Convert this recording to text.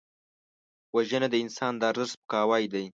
وژنه د انسان د ارزښت سپکاوی دی